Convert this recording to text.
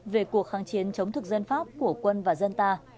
về cuộc kháng chiến chống thực dân pháp của quân và dân ta